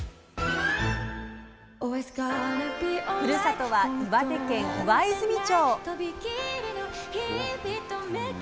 ふるさとは岩手県岩泉町。